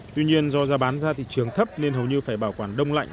tuy nhiên do giá bán ra thị trường thấp nên hầu như phải bảo quản đông lạnh